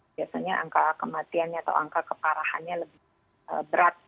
biasanya angka kematiannya atau angka keparahannya lebih berat